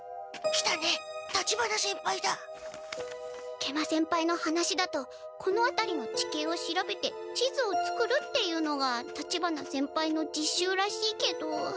食満先輩の話だとこのあたりの地形を調べて地図を作るっていうのが立花先輩の実習らしいけど。